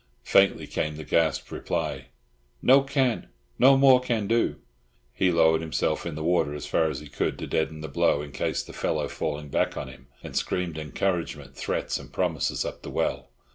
Faintly came the gasped reply, "No can! No more can do!" He lowered himself in the water as far as he could, to deaden the blow in case of the fellow falling back on him, and screamed encouragement, threats, and promises up the well.